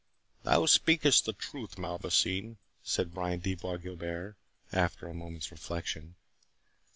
"Thou speakest the truth, Malvoisin," said Brian de Bois Guilbert, after a moment's reflection.